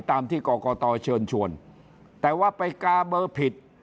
ตามที่กรกตเชิญชวนแต่ว่าไปกาเบอร์ผิด